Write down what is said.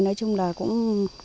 nói chung là cũng